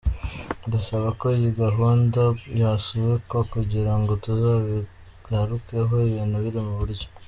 Ndasaba ko iyi gahunda yasubikwa kugira ngo tuzabigarukeho ibintu biri mu buryo.